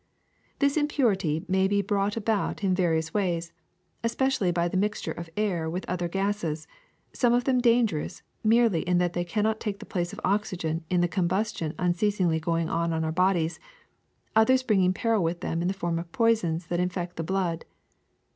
This impurity may be brought about in various ways, especially by the mixture of air with other gases, some of them dangerous merely in that they cannot take the place of oxygen in the combustion un ceasingly going on in our bodies, others bringing peril with them in the form of poisons that infect the blood.